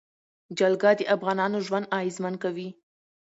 جلګه د افغانانو ژوند اغېزمن کوي.